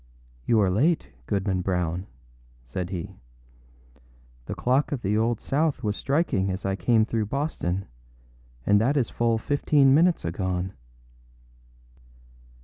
âYou are late, Goodman Brown,â said he. âThe clock of the Old South was striking as I came through Boston, and that is full fifteen minutes agone.